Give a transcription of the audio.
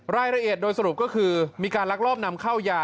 รายละเอียดโดยสรุปก็คือมีการลักลอบนำเข้ายา